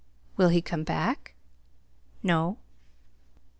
"Will he come back?" "No."